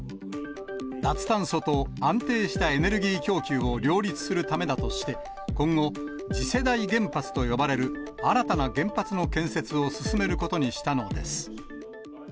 脱炭素と安定したエネルギー供給を両立するためだとして、今後、次世代原発と呼ばれる新たな原発の建設を進めることにしたのです。